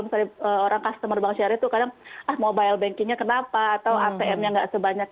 misalnya orang customer bank syarif itu kadang ah mobile bankingnya kenapa atau atm nya nggak sebanyak